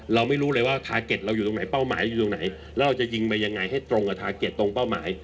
แล้วเราจะยิงไปยังไงให้ตรงกับตราเก็ตตรงเป้าหมาย